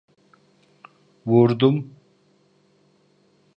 Vurdum!